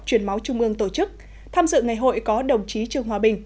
truyền máu trung ương tổ chức tham dự ngày hội có đồng chí trương hòa bình